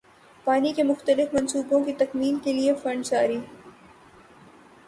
پانی کے مختلف منصوبوں کی تکمیل کیلئے فنڈز جاری